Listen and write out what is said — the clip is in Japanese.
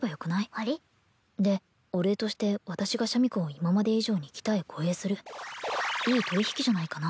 あれっ？でお礼として私がシャミ子を今まで以上に鍛え護衛するいい取引じゃないかな？